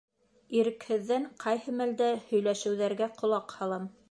Ирекһеҙҙән, ҡайһы мәлдә һөйләшеүҙәргә ҡолаҡ һалам.